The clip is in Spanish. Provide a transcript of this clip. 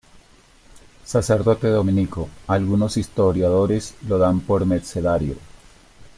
Sacerdote dominico, algunos historiadores lo dan por mercedario.